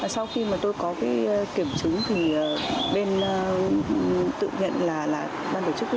sau khi mà tôi có cái kiểm chứng thì bên tự nhận là là ban tổ chức ấy